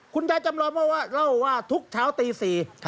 คุณยายจำลองว่าทุกเช้า๔๐๐น